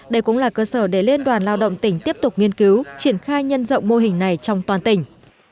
đây cũng là cơ sở để liên đoàn lao động tỉnh tiếp tục nghiên cứu triển khai nhân rộng mô hình này trong toàn tỉnh